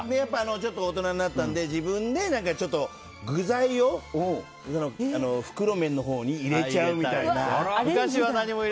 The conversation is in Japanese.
ちょっと大人になったんで自分で具材を袋麺のほうに入れちゃうみたいな。